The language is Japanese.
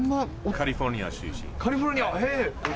カリフォルニア、へえ。